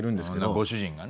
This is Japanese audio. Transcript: ご主人がね。